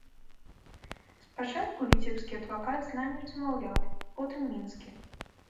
Спачатку віцебскі адвакат з намі размаўляў, потым мінскі.